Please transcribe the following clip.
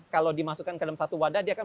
kalau dimasukkan ke dalam satu wadah dia kan